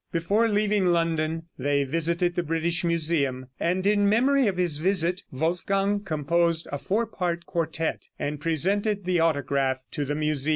Before leaving London they visited the British Museum, and in memory of his visit Wolfgang composed a four part quartette, and presented the autograph to the museum.